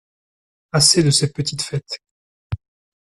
Assez de ces petites fêtes !